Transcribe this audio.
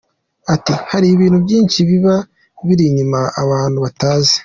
Ati “Hari ibintu byinshi biba biri inyuma abantu batazi.